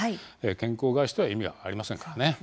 健康を害しては意味はありませんからね。